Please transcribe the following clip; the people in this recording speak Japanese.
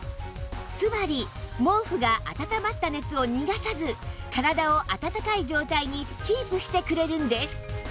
つまり毛布が暖まった熱を逃がさず体を暖かい状態にキープしてくれるんです